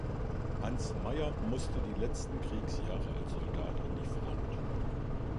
Hans Mayr musste die letzten Kriegsjahre als Soldat an die Front.